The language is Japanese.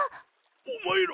お前ら！